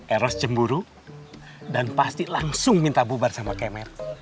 eros cemburu dan pasti langsung minta bubar sama kemer